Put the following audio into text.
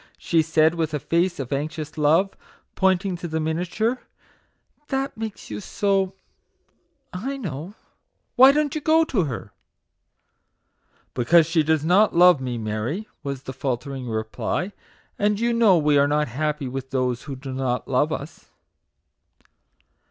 '' she said, with a face of anxious love pointing to the miniature "that makes you so, I know ! Why don't you go to her ?"" Because she does not love me, Mary," was the faltering reply; "and you know we are not happy with those who do not love us."